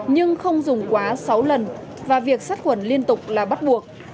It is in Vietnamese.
nhưng không dùng quá sáu lần và việc sát quẩn liên tục là bắt buộc